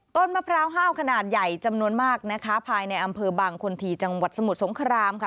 มะพร้าวห้าวขนาดใหญ่จำนวนมากนะคะภายในอำเภอบางคนทีจังหวัดสมุทรสงครามค่ะ